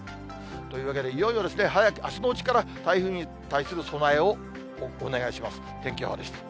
というわけで、いよいよ早く、あすのうちから台風に対する備えをお願いします。